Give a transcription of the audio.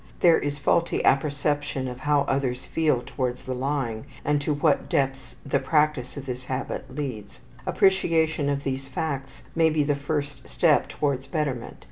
There is faulty apperception of how others feel towards the lying, and to what depths the practice of this habit leads. Appreciation of these facts may be the first step towards betterment.